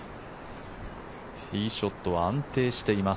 ティーショットは安定しています。